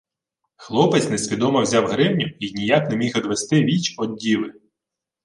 Хлопець несвідомо взяв гривню й ніяк не міг одвести віч од діви.